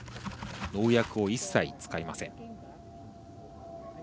農薬を一切使いません。